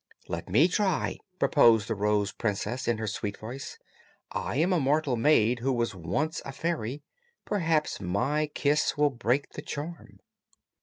"Let me try," proposed the Rose Princess, in her sweet voice. "I am a Mortal Maid who was once a Fairy. Perhaps my kiss will break the charm."